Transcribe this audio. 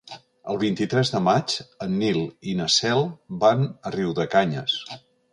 El vint-i-tres de maig en Nil i na Cel van a Riudecanyes.